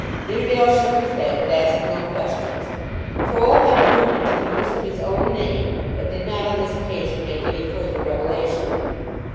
Nidderdale shook his head, but asked no questions. Croll had alluded to the use of his own name, but did not on this occasion make any further revelation.